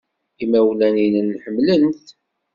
Imawlan-nnem ḥemmlen-t.